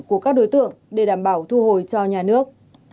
của các đối tượng để đảm bảo thu hồi cho nhà nước